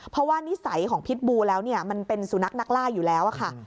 เพราะว่านิสัยของพิษบูแล้วเนี่ยมันเป็นสุนัขนักล่าอยู่แล้วค่ะ